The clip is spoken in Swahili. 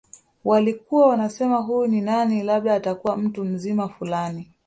Walikuwa wanasema huyu ni nani labda atakuwa mtu mzima fulani